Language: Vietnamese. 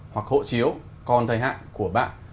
hoặc hộ chiếu con thời hạn của bạn